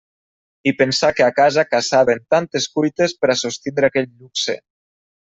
I pensar que a casa passaven tantes cuites per a sostindre aquell luxe!